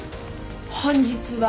「本日は」